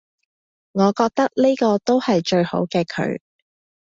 我覺得呢個都係最好嘅佢